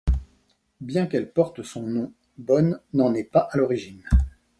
Bien qu'elle porte son nom, Bonne n'en est pas à l'origine.